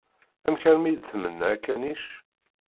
Amek armi i d-tmenna akanic?